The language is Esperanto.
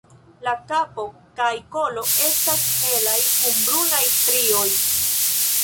La kapo kaj kolo estas helaj kun brunaj strioj.